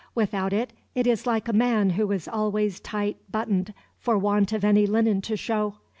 Without it, it is like a man who is always tight buttoned for want of any linen to show.